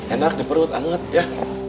enak di perut anget ya